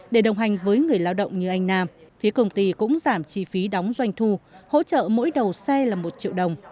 để đồng hành với người lao động như anh nam phía công ty cũng giảm chi phí đóng doanh thu hỗ trợ mỗi đầu xe là một triệu đồng